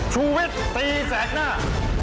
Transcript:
ชุวิตตีแสงหน้า